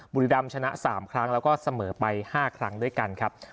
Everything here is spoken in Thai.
บุรีดำชนะ๓ครั้งแล้วก็เสมอไป๕ครั้งด้วยกันครับ